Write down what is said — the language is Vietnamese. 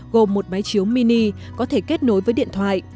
gồm một máy chiếu mini có thể kết nối với điện thoại